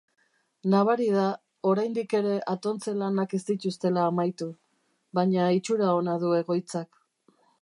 Nabari da oraindik ere atontze-lanak ez dituztela amaitu, baina itxura ona du egoitzak.